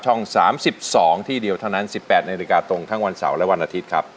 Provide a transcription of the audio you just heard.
๓๒ที่เดียวเท่านั้น๑๘นาฬิกาตรงทั้งวันเสาร์และวันอาทิตย์ครับ